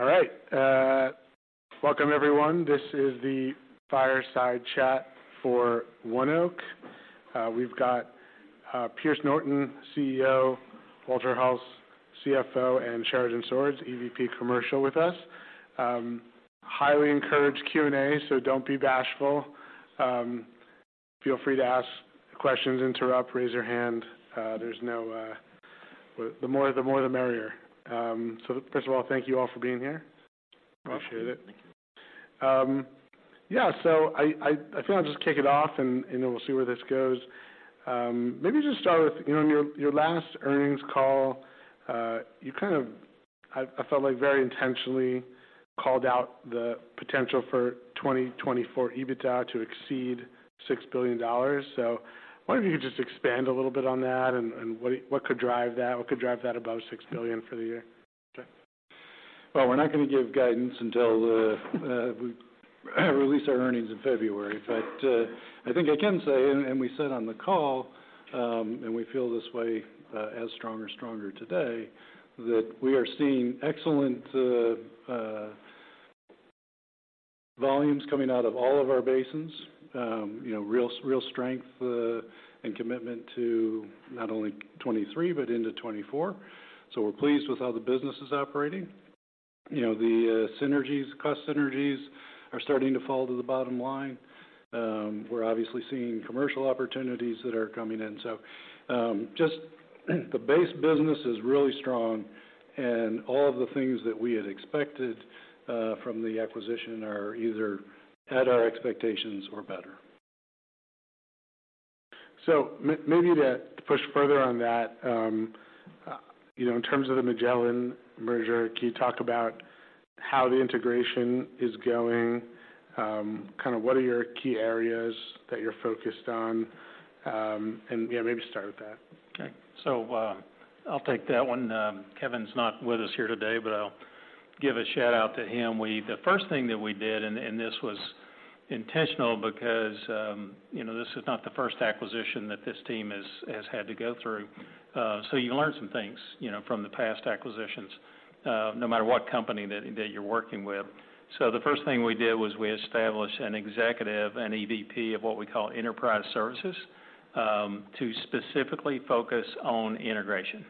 All right, welcome, everyone. This is the fireside chat for ONEOK. We've got Pierce Norton, CEO, Walter Hulse, CFO, and Sheridan Swords, EVP Commercial, with us. Highly encourage Q&A, so don't be bashful. Feel free to ask questions, interrupt, raise your hand. There's no... The more, the more, the merrier. So first of all, thank you all for being here. Welcome. Appreciate it. Thank you. Yeah, so I think I'll just kick it off, and then we'll see where this goes. Maybe just start with, you know, in your last earnings call, you kind of, I felt like, very intentionally called out the potential for 2024 EBITDA to exceed $6 billion. So wonder if you could just expand a little bit on that, and what could drive that? What could drive that above $6 billion for the year? Well, we're not gonna give guidance until we release our earnings in February. But I think I can say, and we said on the call, and we feel this way as strong or stronger today, that we are seeing excellent volumes coming out of all of our basins. You know, real, real strength and commitment to not only 2023, but into 2024. So we're pleased with how the business is operating. You know, the synergies, cost synergies are starting to fall to the bottom line. We're obviously seeing commercial opportunities that are coming in. So, just the base business is really strong, and all of the things that we had expected from the acquisition are either at our expectations or better. So maybe to push further on that, you know, in terms of the Magellan merger, can you talk about how the integration is going? Kind of what are your key areas that you're focused on? And yeah, maybe start with that. Okay. So, I'll take that one. Kevin's not with us here today, but I'll give a shout-out to him. The first thing that we did, and this was intentional because, you know, this is not the first acquisition that this team has had to go through. So you learn some things, you know, from the past acquisitions, no matter what company that you're working with. So the first thing we did was we established an executive, an EVP of what we call enterprise services, to specifically focus on integration.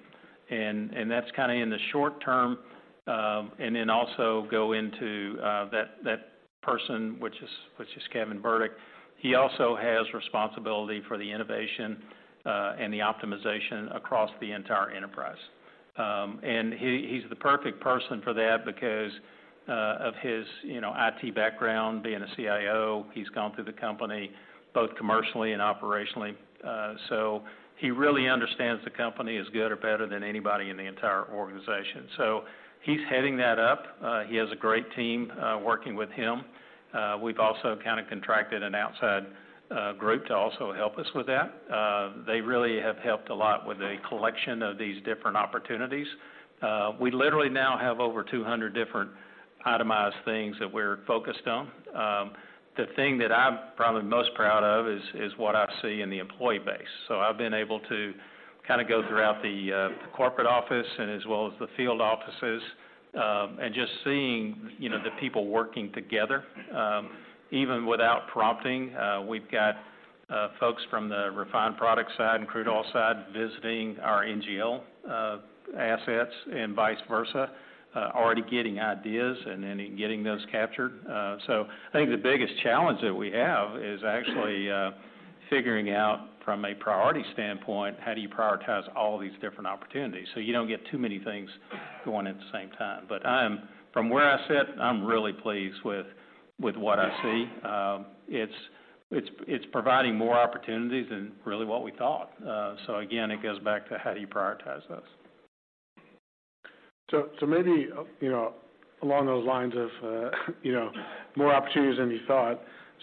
And that's kind of in the short term, and then also go into that person, which is Kevin Burdick. He also has responsibility for the innovation, and the optimization across the entire enterprise. He, he's the perfect person for that because of his, you know, IT background, being a CIO. He's gone through the company both commercially and operationally. So he really understands the company as good or better than anybody in the entire organization. So he's heading that up. He has a great team working with him. We've also kind of contracted an outside group to also help us with that. They really have helped a lot with the collection of these different opportunities. We literally now have over 200 different itemized things that we're focused on. The thing that I'm probably most proud of is, is what I see in the employee base. So I've been able to kind of go throughout the corporate office and as well as the field offices, and just seeing, you know, the people working together. Even without prompting, we've got folks from the refined product side and crude oil side visiting our NGL assets and vice versa, already getting ideas and then getting those captured. So I think the biggest challenge that we have is actually figuring out from a priority standpoint, how do you prioritize all these different opportunities so you don't get too many things going at the same time? But I am, from where I sit, I'm really pleased with what I see. It's providing more opportunities than really what we thought. So again, it goes back to, how do you prioritize this? So, maybe, you know, along those lines of, you know, more opportunities than you thought.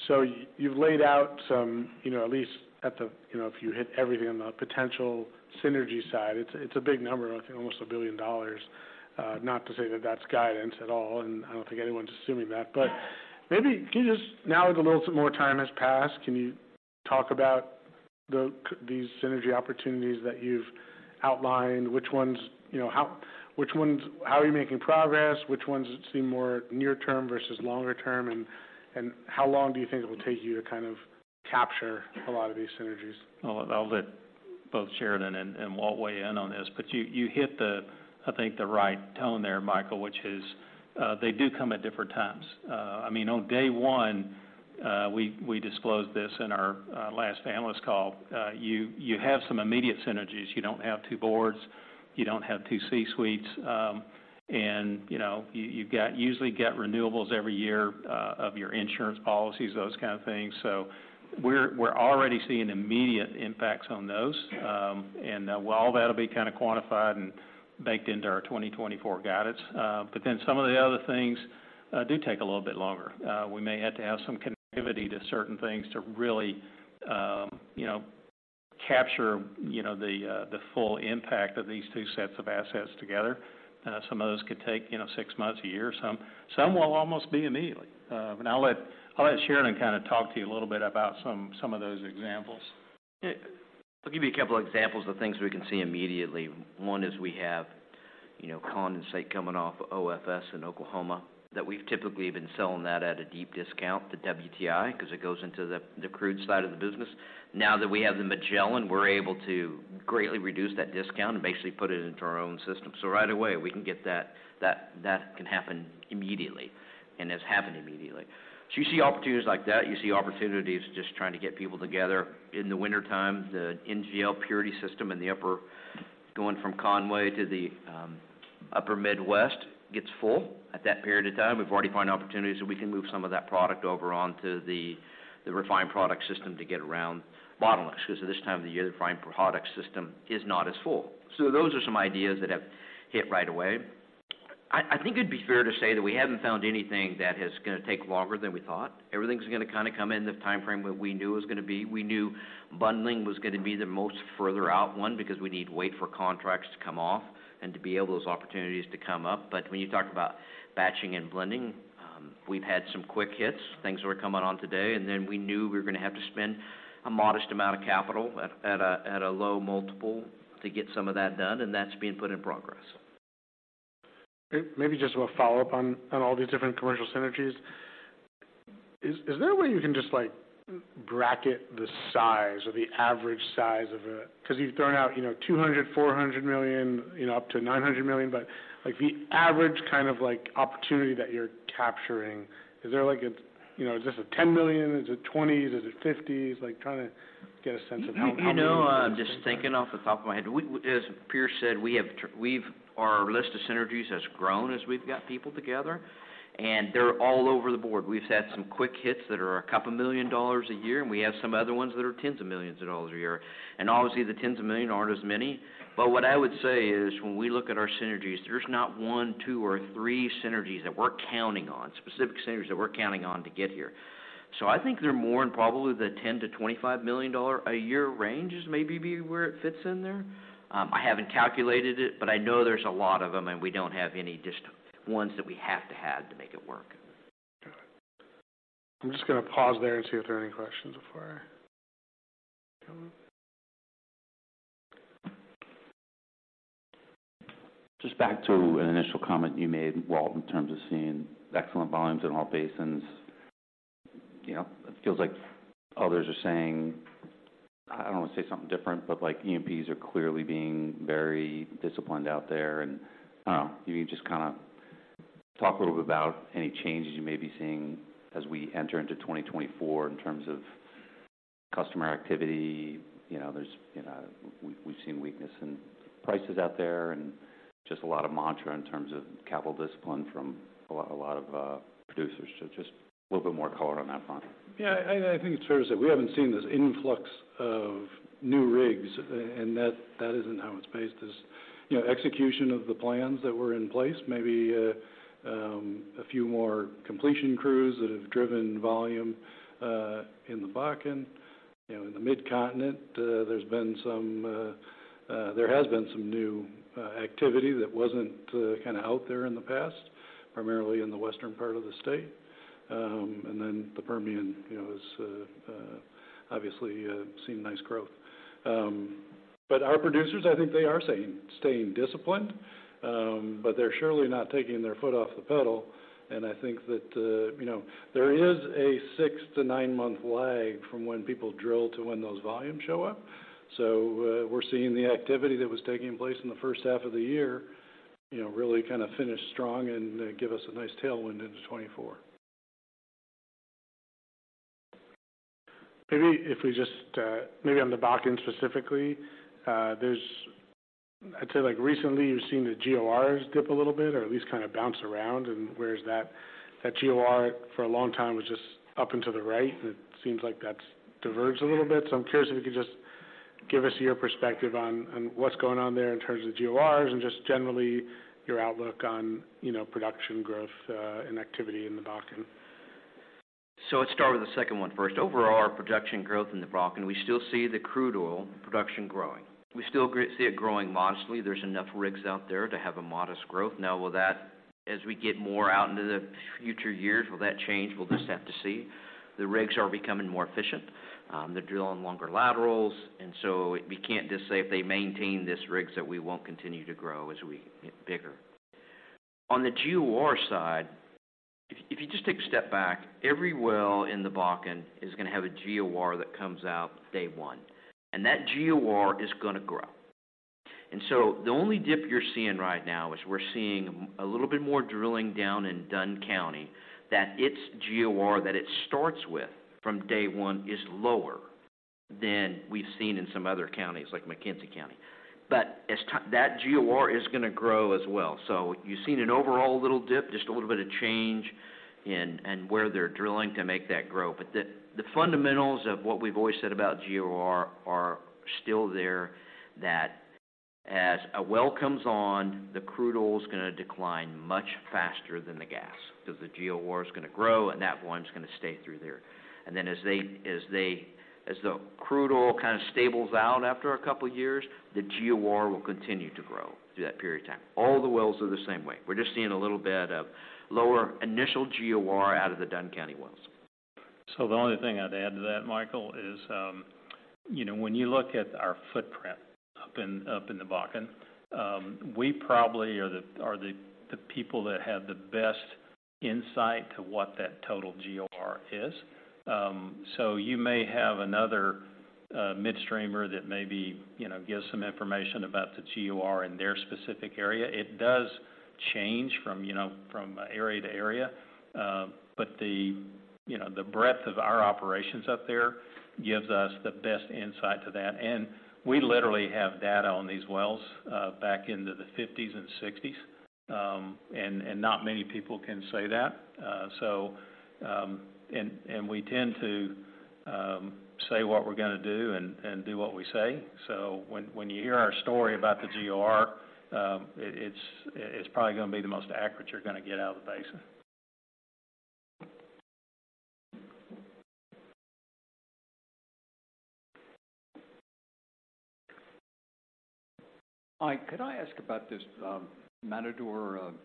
So you've laid out some... You know, at least at the-- you know, if you hit everything on the potential synergy side, it's, it's a big number, I think almost $1 billion. Not to say that that's guidance at all, and I don't think anyone's assuming that, but maybe can you just-- Now that a little more time has passed, can you talk about the, these synergy opportunities that you've outlined? Which ones, you know, how-- Which ones-- How are you making progress? Which ones seem more near term versus longer term, and, and how long do you think it will take you to kind of capture a lot of these synergies? Well, I'll let both Sheridan and Walt weigh in on this, but you hit the, I think, the right tone there, Michael, which is, they do come at different times. I mean, on day one, we disclosed this in our last analyst call. You have some immediate synergies. You don't have two boards, you don't have two C-suites. And, you know, you've got—usually get renewals every year of your insurance policies, those kind of things. So we're already seeing immediate impacts on those. And all that'll be kind of quantified and baked into our 2024 guidance. But then some of the other things do take a little bit longer. We may have to have some connectivity to certain things to really, you know, capture, you know, the, the full impact of these two sets of assets together. Some of those could take, you know, six months, a year, or something. Some will almost be immediately. But I'll let Sheridan kind of talk to you a little bit about some of those examples. Yeah. I'll give you a couple of examples of things we can see immediately. One is we have, you know, condensate coming off of OFS in Oklahoma, that we've typically been selling that at a deep discount to WTI 'cause it goes into the, the crude side of the business. Now that we have the Magellan, we're able to greatly reduce that discount and basically put it into our own system. So right away, we can get that-- that, that can happen immediately, and it's happened immediately. So you see opportunities like that, you see opportunities just trying to get people together. In the wintertime, the NGL purity system going from Conway to the upper Midwest gets full. At that period of time, we've already found opportunities, so we can move some of that product over onto the refined product system to get around bottlenecks, 'cause at this time of the year, the refined product system is not as full. So those are some ideas that have hit right away. I think it'd be fair to say that we haven't found anything that is gonna take longer than we thought. Everything's gonna kind of come in the timeframe that we knew it was gonna be. We knew bundling was gonna be the most further out one, because we need to wait for contracts to come off and to be able those opportunities to come up. But when you talk about batching and blending, we've had some quick hits, things that are coming on today, and then we knew we were gonna have to spend a modest amount of capital at a low multiple to get some of that done, and that's being put in progress. Maybe just a follow-up on all these different commercial synergies. Is there a way you can just, like, bracket the size or the average size of it? 'Cause you've thrown out, you know, $200 million, $400 million, you know, up to $900 million, but, like, the average kind of, like, opportunity that you're capturing, is there like a— you know, is this a $10 million? Is it 20s? Is it 50s? Like, trying to get a sense of how much? You know, I'm just thinking off the top of my head. We, as Pierce said, we have our list of synergies has grown as we've got people together, and they're all over the board. We've had some quick hits that are a couple $ million a year, and we have some other ones that are of $10 millions a year. And obviously, the tens of millions aren't as many. But what I would say is, when we look at our synergies, there's not one, two, or three synergies that we're counting on, specific synergies that we're counting on to get here. So I think they're more, and probably the $10-$25 million a year range is maybe where it fits in there. I haven't calculated it, but I know there's a lot of them, and we don't have any just ones that we have to have to make it work. Got it. I'm just gonna pause there and see if there are any questions before I. Just back to an initial comment you made, Walt, in terms of seeing excellent volumes in all basins. You know, it feels like others are saying, I don't want to say something different, but like, E&Ps are clearly being very disciplined out there, and you can just kind of talk a little bit about any changes you may be seeing as we enter into 2024 in terms of customer activity. You know, there's, you know, we've, we've seen weakness in prices out there and just a lot of mantra in terms of capital discipline from a lot, a lot of producers. So just a little bit more color on that front. Yeah, I think it's fair to say we haven't seen this influx of new rigs, and that isn't how it's based, you know, execution of the plans that were in place, maybe, a few more completion crews that have driven volume in the Bakken. You know, in the Mid-Continent, there's been some, there has been some new activity that wasn't kind of out there in the past, primarily in the western part of the state. And then the Permian, you know, is obviously seeing nice growth. But our producers, I think they are saying, staying disciplined, but they're surely not taking their foot off the pedal. And I think that, you know, there is a six-to-nine-month lag from when people drill to when those volumes show up. We're seeing the activity that was taking place in the first half of the year, you know, really kind of finish strong and give us a nice tailwind into 2024. Maybe if we just, maybe on the Bakken specifically, there's—I'd say, like, recently, you've seen the GORs dip a little bit or at least kind of bounce around, and whereas that, that GOR for a long time was just up and to the right, and it seems like that's diverged a little bit. So I'm curious if you could just give us your perspective on, on what's going on there in terms of GORs and just generally your outlook on, you know, production growth, and activity in the Bakken. So let's start with the second one first. Overall, our production growth in the Bakken, we still see the crude oil production growing. We still see it growing modestly. There's enough rigs out there to have a modest growth. Now, will that as we get more out into the future years, will that change? We'll just have to see. The rigs are becoming more efficient. They're drilling longer laterals, and so we can't just say if they maintain these rigs, that we won't continue to grow as we get bigger. On the GOR side, if you just take a step back, every well in the Bakken is gonna have a GOR that comes out day one, and that GOR is gonna grow. The only dip you're seeing right now is we're seeing a little bit more drilling down in Dunn County, that its GOR, that it starts with from day one, is lower than we've seen in some other counties, like McKenzie County. But as time, that GOR is gonna grow as well. So you've seen an overall little dip, just a little bit of change in where they're drilling to make that grow. But the fundamentals of what we've always said about GOR are still there, that as a well comes on, the crude oil is gonna decline much faster than the gas because the GOR is gonna grow, and that one's gonna stay through there. And then as the crude oil kind of stabilizes out after a couple of years, the GOR will continue to grow through that period of time. All the wells are the same way. We're just seeing a little bit of lower initial GOR out of the Dunn County wells. So the only thing I'd add to that, Michael, is, you know, when you look at our footprint up in the Bakken, we probably are the people that have the best insight to what that total GOR is. So you may have another midstreamer that maybe, you know, gives some information about the GOR in their specific area. It does change from area to area. But the breadth of our operations up there gives us the best insight to that. And we literally have data on these wells back into the 1950s and 1960s. And we tend to say what we're gonna do and do what we say. When you hear our story about the GOR, it's probably gonna be the most accurate you're gonna get out of the basin. Mike, could I ask about this, Matador, project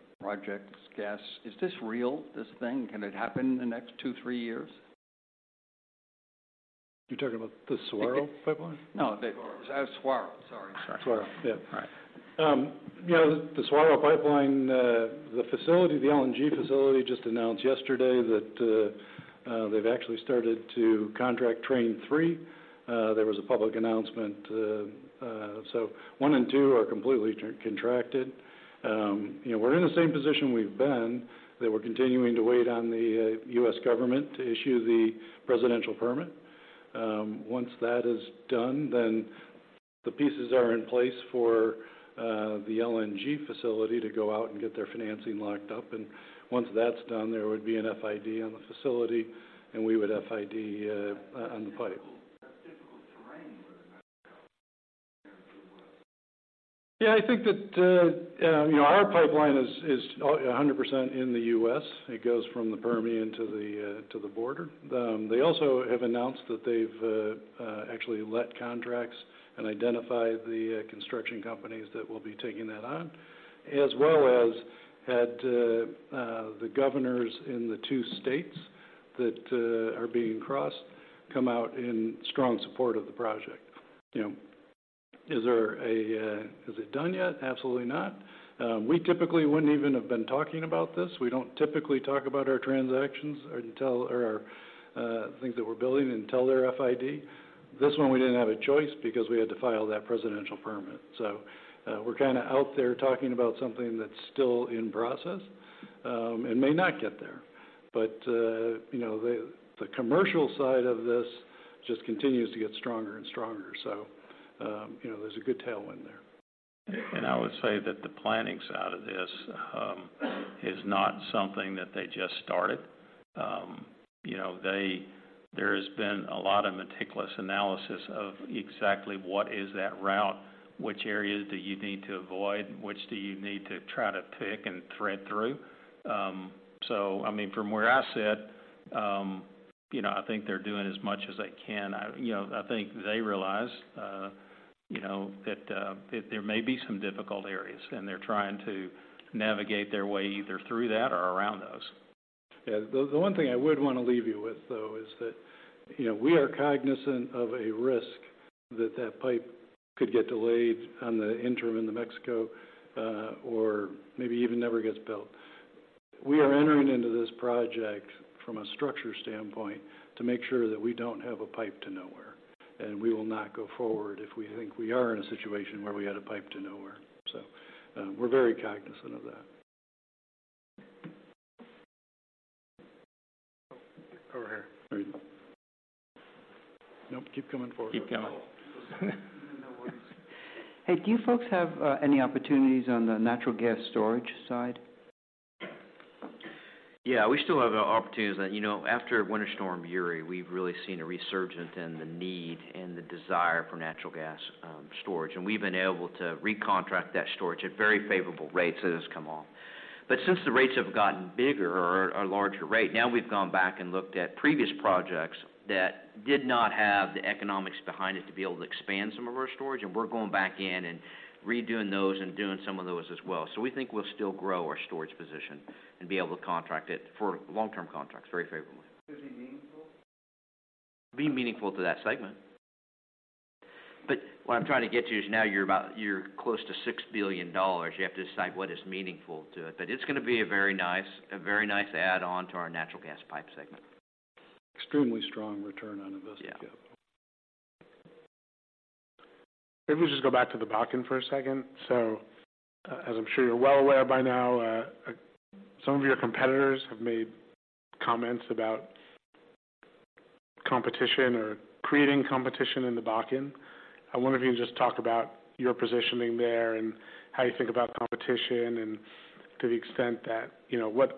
gas? Is this real, this thing? Can it happen in the next two, three years? You're talking about the Saguaro Pipeline? No, the Saguaro, sorry. Saguaro, yeah. All right. Yeah, the Saguaro Pipeline, the facility, the LNG facility, just announced yesterday that they've actually started to contract Train 3. There was a public announcement. So one and two are completely term-contracted. You know, we're in the same position we've been, that we're continuing to wait on the U.S. government to issue the Presidential Permit. Once that is done, then the pieces are in place for the LNG facility to go out and get their financing locked up. And once that's done, there would be an FID on the facility, and we would FID on the pipe. That's difficult terrain. Yeah, I think that, you know, our pipeline is 100% in the U.S. It goes from the Permian to the border. They also have announced that they've actually let contracts and identified the construction companies that will be taking that on, as well as had the governors in the two states that are being crossed, come out in strong support of the project. You know, is there... Is it done yet? Absolutely not. We typically wouldn't even have been talking about this. We don't typically talk about our transactions or our things that we're building until they're FID. This one, we didn't have a choice because we had to file that Presidential Permit. So, we're kind of out there talking about something that's still in process, and may not get there. But, you know, the commercial side of this just continues to get stronger and stronger. So, you know, there's a good tailwind there. I would say that the planning side of this is not something that they just started. You know, there has been a lot of meticulous analysis of exactly what is that route, which areas do you need to avoid, which do you need to try to pick and thread through. So I mean, from where I sit, you know, I think they're doing as much as they can. You know, I think they realize, you know, that, that there may be some difficult areas, and they're trying to navigate their way either through that or around those. Yeah. The one thing I would want to leave you with, though, is that, you know, we are cognizant of a risk that that pipe could get delayed in the interim in New Mexico, or maybe even never gets built. We are entering into this project from a structure standpoint, to make sure that we don't have a pipe to nowhere, and we will not go forward if we think we are in a situation where we had a pipe to nowhere. So, we're very cognizant of that. Over here. Nope, keep coming forward. Keep coming. Hey, do you folks have any opportunities on the natural gas storage side? Yeah, we still have opportunities. You know, after Winter Storm Uri, we've really seen a resurgence in the need and the desire for natural gas storage. And we've been able to recontract that storage at very favorable rates as it's come off. But since the rates have gotten bigger or larger, right, now, we've gone back and looked at previous projects that did not have the economics behind it to be able to expand some of our storage, and we're going back in and redoing those and doing some of those as well. So we think we'll still grow our storage position and be able to contract it for long-term contracts, very favorably. Will it be meaningful? Be meaningful to that segment. But what I'm trying to get to is, now you're about—you're close to $6 billion. You have to decide what is meaningful to it. But it's gonna be a very nice, a very nice add-on to our natural gas pipe segment. Extremely strong return on investment. Yeah. Maybe just go back to the Bakken for a second. So, as I'm sure you're well aware by now, some of your competitors have made comments about competition or creating competition in the Bakken. I wonder if you can just talk about your positioning there and how you think about competition, and to the extent that, you know, what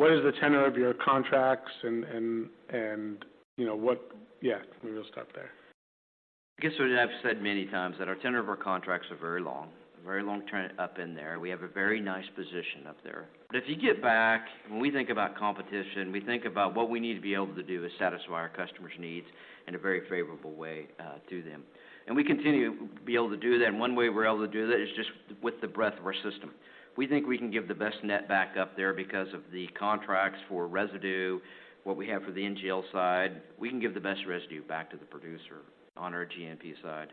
is the tenor of your contracts and you know what... Yeah, maybe we'll stop there. I guess what I've said many times, that our tenor of our contracts are very long, very long 10, up in there. We have a very nice position up there. But if you get back, when we think about competition, we think about what we need to be able to do to satisfy our customers' needs in a very favorable way, through them. And we continue to be able to do that. And one way we're able to do that is just with the breadth of our system. We think we can give the best net back up there because of the contracts for residue, what we have for the NGL side. We can give the best residue back to the producer on our G&P side.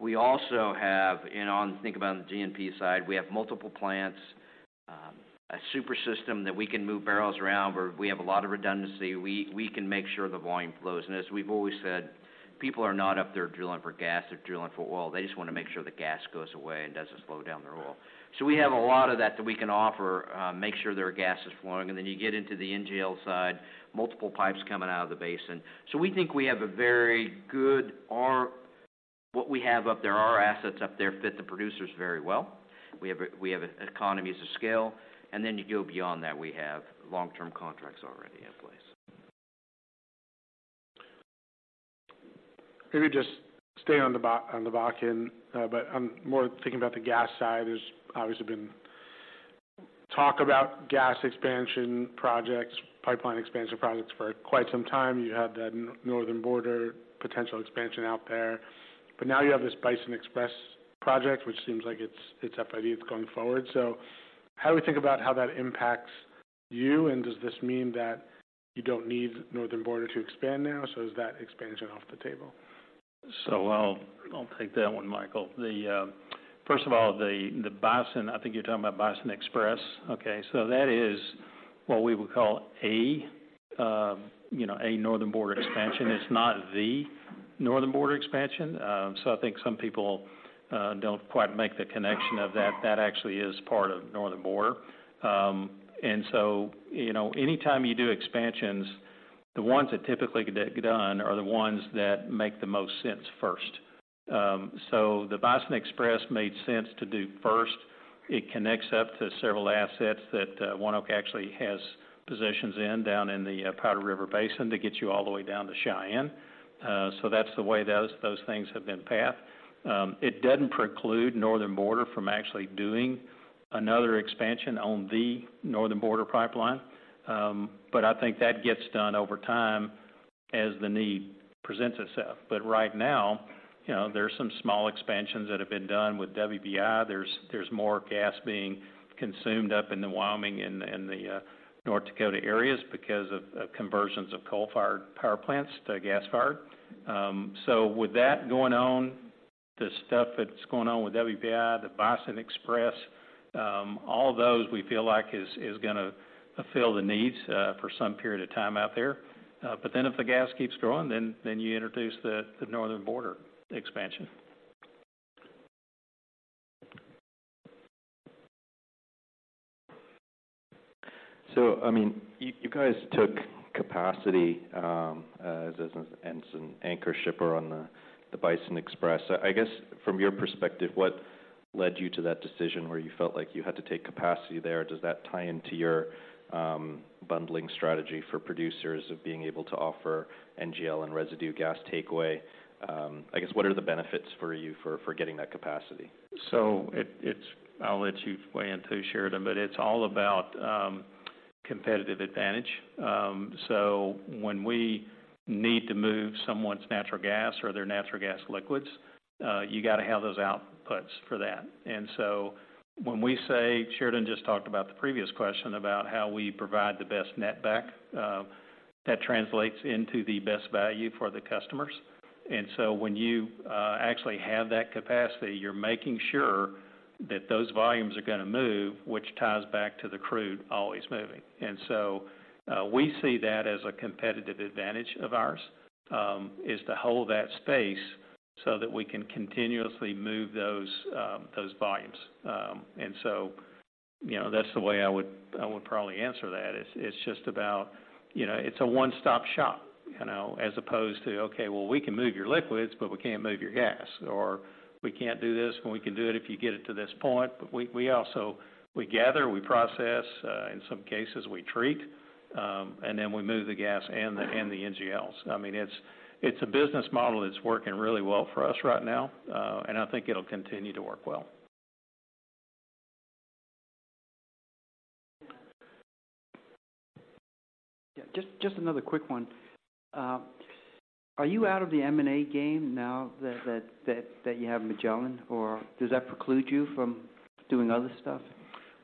We also have, you know, on think about the G&P side, we have multiple plants. A super system that we can move barrels around, where we have a lot of redundancy. We can make sure the volume flows. And as we've always said, people are not up there drilling for gas or drilling for oil. They just want to make sure the gas goes away and doesn't slow down their oil. So we have a lot of that we can offer, make sure their gas is flowing. And then you get into the NGL side, multiple pipes coming out of the basin. So we think we have a very good what we have up there, our assets up there, fit the producers very well. We have economies of scale, and then you go beyond that, we have long-term contracts already in place. Maybe just staying on the Bakken, but I'm more thinking about the gas side. There's obviously been talk about gas expansion projects, pipeline expansion projects for quite some time. You have the Northern Border potential expansion out there, but now you have this Bison Xpress project, which seems like it's up, I think it's going forward. So how do we think about how that impacts you? And does this mean that you don't need Northern Border to expand now? So is that expansion off the table? So I'll take that one, Michael. First of all, the Bison, I think you're talking about Bison Xpress. Okay. So that is what we would call a Northern Border expansion. It's not the Northern Border expansion. So I think some people don't quite make the connection of that. That actually is part of Northern Border. And so, you know, anytime you do expansions, the ones that typically get done are the ones that make the most sense first. So the Bison Xpress made sense to do first. It connects up to several assets that ONEOK actually has positions in, down in the Powder River Basin, that gets you all the way down to Cheyenne. So that's the way those things have been path. It doesn't preclude Northern Border from actually doing another expansion on the Northern Border Pipeline. But I think that gets done over time as the need presents itself. But right now, you know, there are some small expansions that have been done with WBI. There's more gas being consumed up in the Wyoming and the North Dakota areas because of conversions of coal-fired power plants to gas-fired. So with that going on, the stuff that's going on with WBI, the Bison Xpress, all those we feel like is gonna fulfill the needs for some period of time out there. But then if the gas keeps growing, then you introduce the Northern Border expansion. So I mean, you guys took capacity as an anchor shipper on the Bison Xpress. I guess, from your perspective, what led you to that decision where you felt like you had to take capacity there? Does that tie into your bundling strategy for producers of being able to offer NGL and residue gas takeaway? I guess, what are the benefits for you for getting that capacity? So it's—I'll let you weigh in, too, Sheridan, but it's all about competitive advantage. So when we need to move someone's natural gas or their natural gas liquids, you got to have those outputs for that. And so when we say, Sheridan just talked about the previous question, about how we provide the best net back, that translates into the best value for the customers. And so when you actually have that capacity, you're making sure that those volumes are gonna move, which ties back to the crude always moving. And so we see that as a competitive advantage of ours, is to hold that space so that we can continuously move those volumes. And so, you know, that's the way I would probably answer that. It's just about, you know, it's a one-stop shop, you know, as opposed to, "Okay, well, we can move your liquids, but we can't move your gas," or, "We can't do this, but we can do it if you get it to this point." But we also, we gather, we process, in some cases, we treat, and then we move the gas and the NGLs. I mean, it's a business model that's working really well for us right now, and I think it'll continue to work well. Yeah, just another quick one. Are you out of the M&A game now that you have Magellan, or does that preclude you from doing other stuff?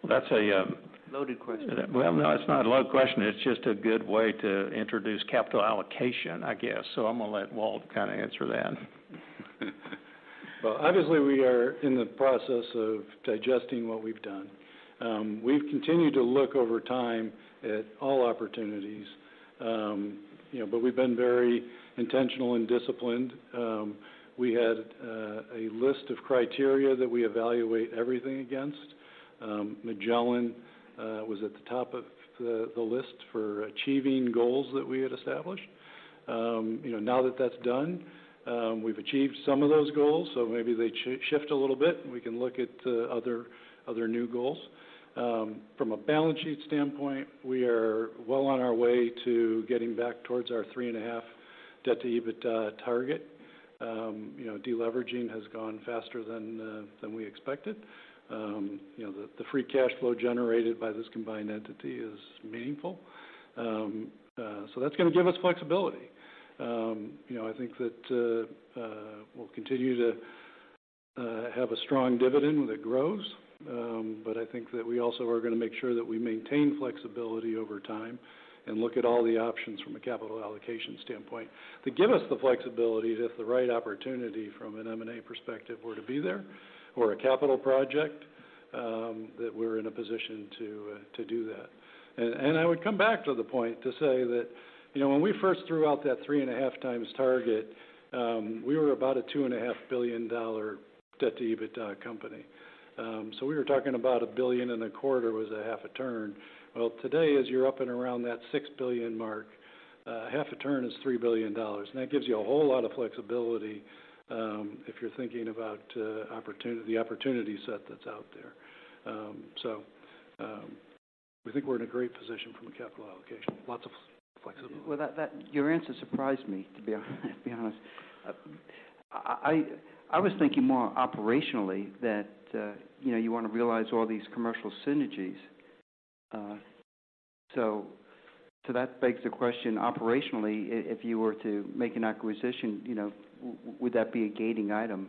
That's a, Loaded question. Well, no, it's not a loaded question. It's just a good way to introduce capital allocation, I guess. So I'm gonna let Walt kind of answer that. Well, obviously, we are in the process of digesting what we've done. We've continued to look over time at all opportunities, you know, but we've been very intentional and disciplined. We had a list of criteria that we evaluate everything against. Magellan was at the top of the list for achieving goals that we had established. You know, now that that's done, we've achieved some of those goals, so maybe they shift a little bit, and we can look at other new goals. From a balance sheet standpoint, we are well on our way to getting back towards our 3.5 debt-to-EBITDA target. You know, deleveraging has gone faster than we expected. You know, the free cash flow generated by this combined entity is meaningful. That's gonna give us flexibility. You know, I think that we'll continue to have a strong dividend that grows. I think that we also are gonna make sure that we maintain flexibility over time and look at all the options from a capital allocation standpoint, to give us the flexibility if the right opportunity from an M&A perspective were to be there, or a capital project. That we're in a position to do that. And I would come back to the point to say that, you know, when we first threw out that 3.5 times target, we were about a $2.5 billion debt-to-EBITDA company. So we were talking about a billion and a quarter was a half a turn. Well, today, as you're up and around that $6 billion mark, half a turn is $3 billion, and that gives you a whole lot of flexibility, if you're thinking about opportunity, the opportunity set that's out there. So we think we're in a great position from a capital allocation. Lots of flexibility. Well, that your answer surprised me, to be honest, to be honest. I was thinking more operationally that, you know, you want to realize all these commercial synergies. So, that begs the question, operationally, if you were to make an acquisition, you know, would that be a gating item?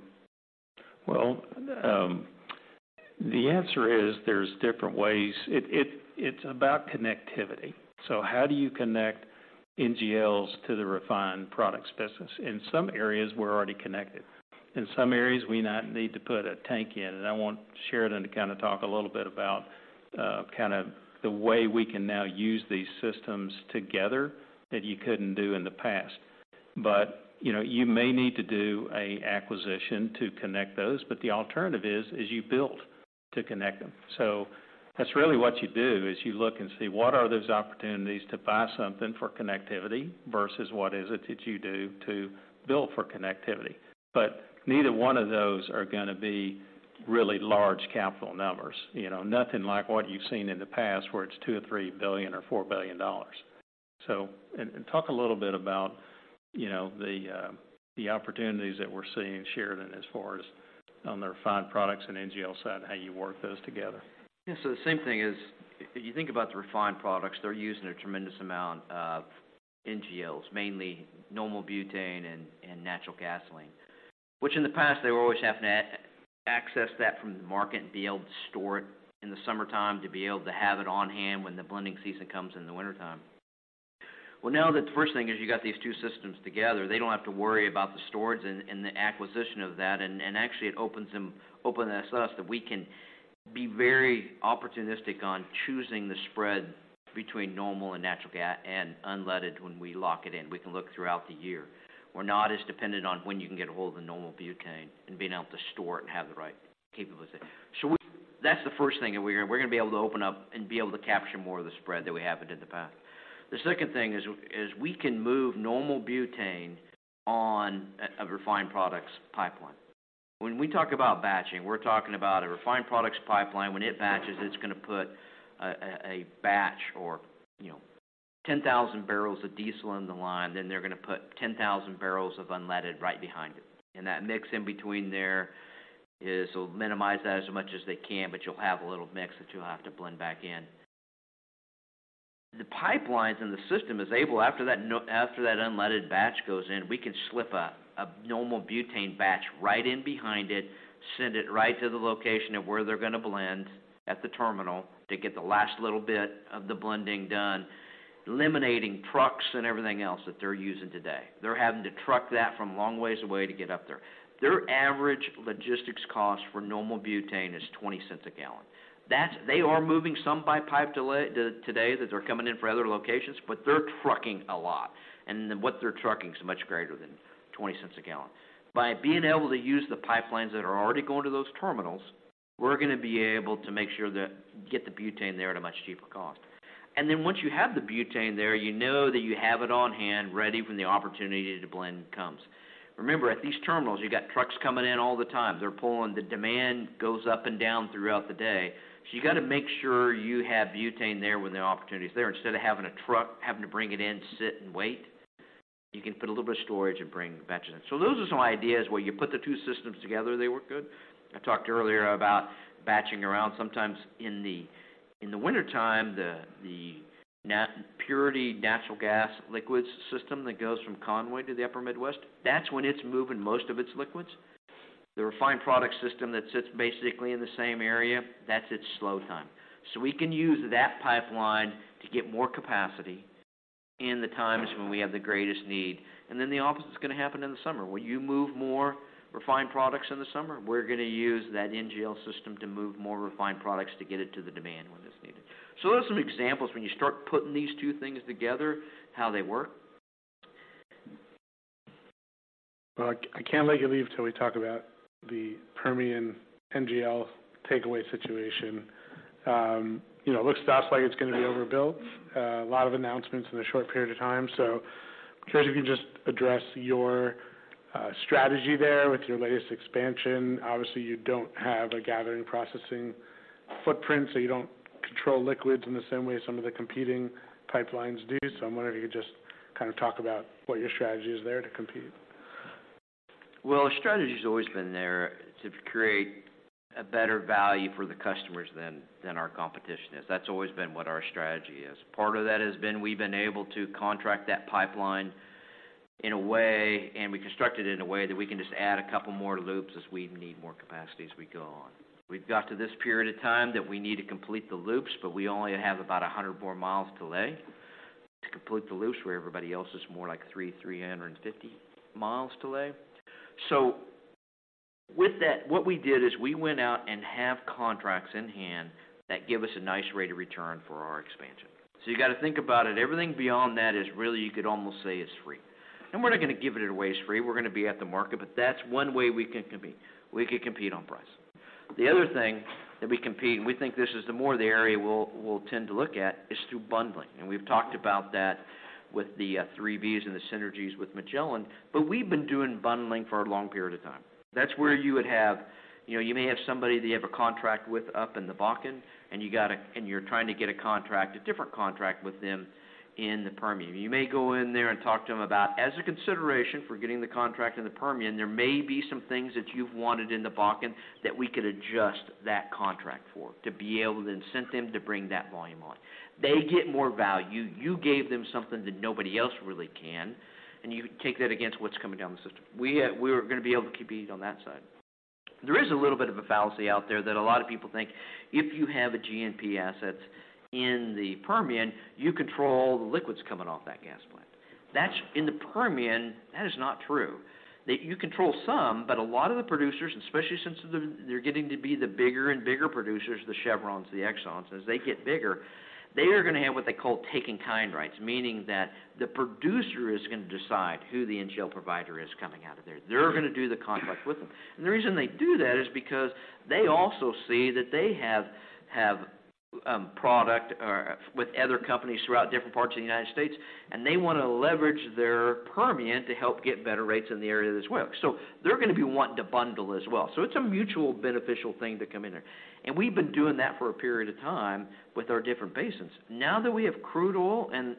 Well, the answer is there's different ways. It's about connectivity. So how do you connect NGLs to the refined products business? In some areas, we're already connected. In some areas, we now need to put a tank in, and I want Sheridan to kind of talk a little bit about kind of the way we can now use these systems together that you couldn't do in the past. But, you know, you may need to do a acquisition to connect those, but the alternative is you build to connect them. So that's really what you do, is you look and see what are those opportunities to buy something for connectivity versus what is it that you do to build for connectivity. But neither one of those are gonna be really large capital numbers, you know? Nothing like what you've seen in the past, where it's $2 billion or $3 billion or $4 billion. So, talk a little bit about, you know, the opportunities that we're seeing, Sheridan, as far as on the refined products and NGL side, and how you work those together. Yes, so the same thing is, if you think about the refined products, they're using a tremendous amount of NGLs, mainly normal butane and natural gasoline, which in the past, they were always having to access that from the market and be able to store it in the summertime to be able to have it on hand when the blending season comes in the wintertime. Well, now that the first thing is you got these two systems together, they don't have to worry about the storage and the acquisition of that, and actually it opens them, opens us, that we can be very opportunistic on choosing the spread between normal and natural gasoline and unleaded when we lock it in. We can look throughout the year. We're not as dependent on when you can get a hold of the normal butane and being able to store it and have the right capability. So we—that's the first thing, and we're gonna be able to open up and be able to capture more of the spread than we have been in the past. The second thing is we can move normal butane on a refined products pipeline. When we talk about batching, we're talking about a refined products pipeline. When it batches, it's gonna put a batch or, you know, 10,000 barrels of diesel in the line, then they're gonna put 10,000 barrels of unleaded right behind it. And that mix in between there is... They'll minimize that as much as they can, but you'll have a little mix that you'll have to blend back in. The pipelines and the system is able, after that unleaded batch goes in, we can slip a normal butane batch right in behind it, send it right to the location of where they're gonna blend at the terminal to get the last little bit of the blending done, eliminating trucks and everything else that they're using today. They're having to truck that from a long ways away to get up there. Their average logistics cost for normal butane is $0.20 a gallon. That's They are moving some by pipeline today, that they're coming in for other locations, but they're trucking a lot, and what they're trucking is much greater than $0.20 a gallon. By being able to use the pipelines that are already going to those terminals, we're gonna be able to make sure that. Get the butane there at a much cheaper cost. And then once you have the butane there, you know that you have it on hand, ready when the opportunity to blend comes. Remember, at these terminals, you got trucks coming in all the time. They're pulling. The demand goes up and down throughout the day, so you got to make sure you have butane there when the opportunity is there, instead of having a truck, having to bring it in, sit, and wait. You can put a little bit of storage and bring batches in. So those are some ideas where you put the two systems together, they work good. I talked earlier about batching around. Sometimes in the wintertime, the Purity natural gas liquids system that goes from Conway to the Upper Midwest, that's when it's moving most of its liquids. The refined product system that sits basically in the same area, that's its slow time. So we can use that pipeline to get more capacity in the times when we have the greatest need. And then the opposite is gonna happen in the summer, where you move more refined products in the summer, we're gonna use that NGL system to move more refined products to get it to the demand when it's needed. So those are some examples when you start putting these two things together, how they work. Well, I can't let you leave until we talk about the Permian NGL takeaway situation. You know, it looks to us like it's gonna be overbuilt. A lot of announcements in a short period of time. So I'm curious if you can just address your strategy there with your latest expansion. Obviously, you don't have a gathering, processing footprint, so you don't control liquids in the same way as some of the competing pipelines do. So I'm wondering if you could just kind of talk about what your strategy is there to compete. Well, our strategy has always been there to create a better value for the customers than, than our competition is. That's always been what our strategy is. Part of that has been, we've been able to contract that pipeline in a way, and we constructed it in a way that we can just add a couple more loops as we need more capacity as we go on. We've got to this period of time that we need to complete the loops, but we only have about 100 more miles to lay... complete the loops where everybody else is more like 350 miles to lay. So with that, what we did is we went out and have contracts in hand that give us a nice rate of return for our expansion. So you've got to think about it, everything beyond that is really, you could almost say is free. And we're not going to give it away for free. We're going to be at the market, but that's one way we can compete. We could compete on price. The other thing that we compete, and we think this is the more the area we'll tend to look at, is through bundling. And we've talked about that with the three Vs and the synergies with Magellan, but we've been doing bundling for a long period of time. That's where you would have, you know, you may have somebody that you have a contract with up in the Bakken, and you got to and you're trying to get a contract, a different contract with them in the Permian. You may go in there and talk to them about, as a consideration for getting the contract in the Permian, there may be some things that you've wanted in the Bakken that we could adjust that contract for, to be able to incent them to bring that volume on. They get more value. You gave them something that nobody else really can, and you take that against what's coming down the system. We're going to be able to compete on that side. There is a little bit of a fallacy out there that a lot of people think if you have G&P assets in the Permian, you control all the liquids coming off that gas plant. That's... In the Permian, that is not true. You control some, but a lot of the producers, especially since they're getting to be the bigger and bigger producers, the Chevrons, the Exxons, as they get bigger, they are going to have what they call Take-in-kind rights, meaning that the producer is going to decide who the NGL provider is coming out of there. They're going to do the contract with them. And the reason they do that is because they also see that they have products with other companies throughout different parts of the United States, and they want to leverage their Permian to help get better rates in the area as well. So they're going to be wanting to bundle as well. So it's a mutual beneficial thing to come in there. And we've been doing that for a period of time with our different basins. Now that we have crude oil and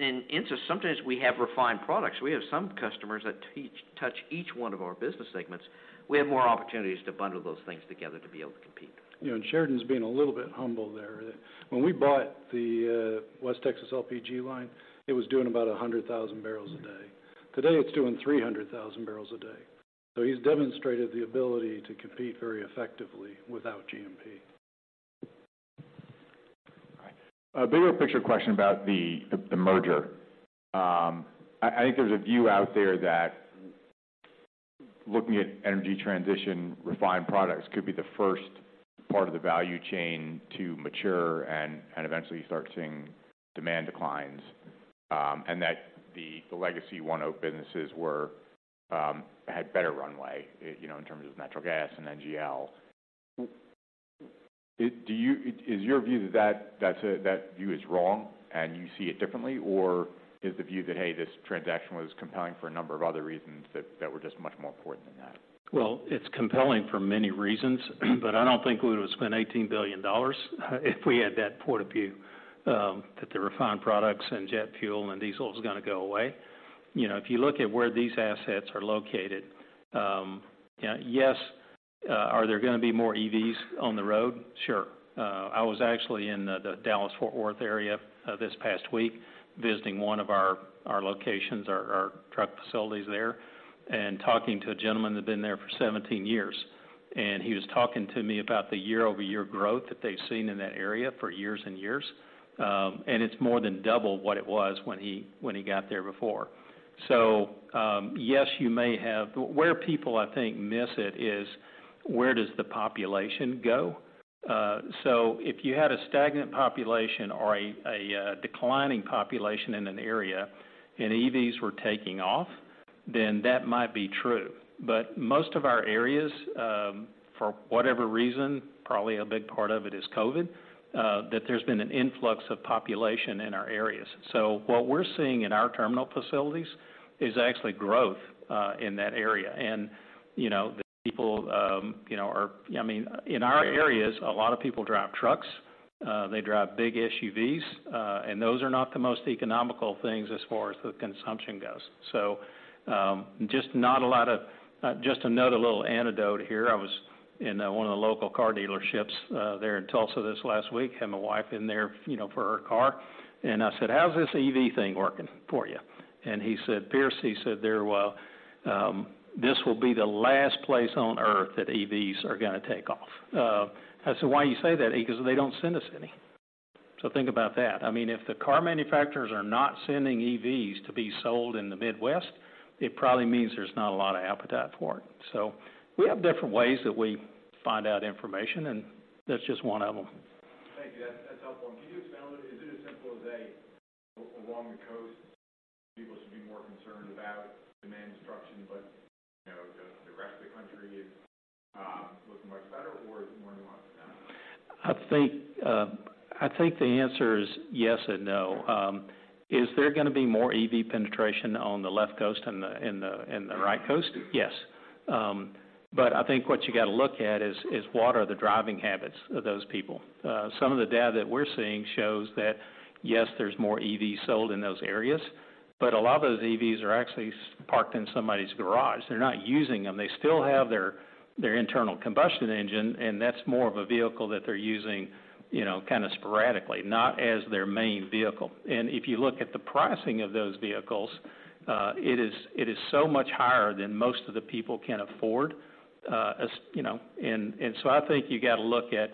in essence, sometimes we have refined products. We have some customers that touch each one of our business segments. We have more opportunities to bundle those things together to be able to compete. You know, and Sheridan's being a little bit humble there. When we bought the West Texas LPG line, it was doing about 100,000 barrels a day. Today, it's doing 300,000 barrels a day. So he's demonstrated the ability to compete very effectively without G&P. All right. A bigger picture question about the merger. I think there's a view out there that looking at energy transition, refined products could be the first part of the value chain to mature and eventually start seeing demand declines, and that the legacy ONEOK businesses had better runway, you know, in terms of natural gas and NGL. Do you? Is your view that that view is wrong and you see it differently? Or is the view that, hey, this transaction was compelling for a number of other reasons that were just much more important than that? Well, it's compelling for many reasons, but I don't think we would have spent $18 billion if we had that point of view, that the refined products and jet fuel and diesel is going to go away. You know, if you look at where these assets are located, you know, yes, are there going to be more EVs on the road? Sure. I was actually in the Dallas-Fort Worth area, this past week, visiting one of our locations, our truck facilities there, and talking to a gentleman that been there for 17 years, and he was talking to me about the year-over-year growth that they've seen in that area for years and years. And it's more than double what it was when he got there before. So, yes, you may have... Where people, I think, miss it is: where does the population go? So if you had a stagnant population or a declining population in an area, and EVs were taking off, then that might be true. But most of our areas, for whatever reason, probably a big part of it is COVID, that there's been an influx of population in our areas. So what we're seeing in our terminal facilities is actually growth, in that area. And, you know, the people, you know, are-- I mean, in our areas, a lot of people drive trucks, they drive big SUVs, and those are not the most economical things as far as the consumption goes. So, just not a lot of. Just to note a little anecdote here, I was in one of the local car dealerships there in Tulsa this last week. Had my wife in there, you know, for her car, and I said, "How's this EV thing working for you?" And he said, "Pierce," he said there, "Well, this will be the last place on Earth that EVs are going to take off." I said, "Why you say that?" He goes, "They don't send us any." So think about that. I mean, if the car manufacturers are not sending EVs to be sold in the Midwest, it probably means there's not a lot of appetite for it. So we have different ways that we find out information, and that's just one of them. Thank you. That's, that's helpful. Can you expand on it? Is it as simple as, along the coast, people should be more concerned about demand destruction, but, you know, the, the rest of the country is looking much better, or is it more nuanced than that? I think, I think the answer is yes and no. Is there going to be more EV penetration on the Left Coast and the Right Coast? Yes. But I think what you got to look at is what are the driving habits of those people? Some of the data that we're seeing shows that, yes, there's more EVs sold in those areas, but a lot of those EVs are actually parked in somebody's garage. They're not using them. They still have their internal combustion engine, and that's more of a vehicle that they're using, you know, kind of sporadically, not as their main vehicle. And if you look at the pricing of those vehicles, it is so much higher than most of the people can afford. you know, and so I think you got to look at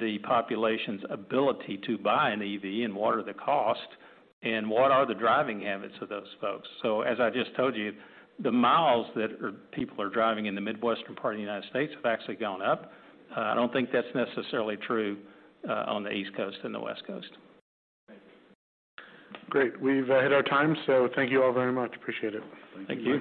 the population's ability to buy an EV and what are the costs, and what are the driving habits of those folks? So as I just told you, the miles that people are driving in the Midwestern part of the United States have actually gone up. I don't think that's necessarily true on the East Coast and the West Coast. Thank you. Great, we've hit our time, so thank you all very much. Appreciate it. Thank you.